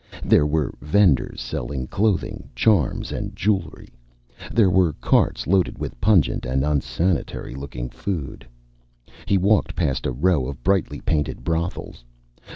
There were vendors selling clothing, charms, and jewelry. There were carts loaded with pungent and unsanitary looking food. He walked past a row of brightly painted brothels.